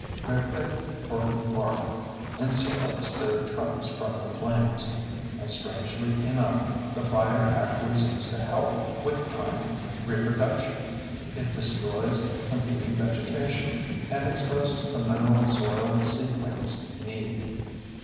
Their thick, corky bark insulates their trunks from the flames. And strangely enough the fire actually seems to help with pine reproduction; it destroys competing vegetation and exposes the mineral soil seedlings need.